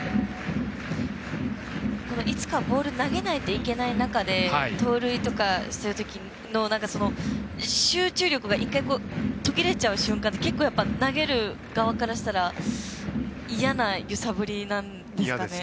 いつかボール投げないといけない中で盗塁とかしてるときの集中力が１回、途切れちゃう瞬間が投げる側からしたら嫌な揺さぶりなんですかね。